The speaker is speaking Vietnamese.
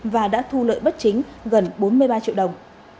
và đã thu lợi bất chính gần bốn mươi ba triệu đồng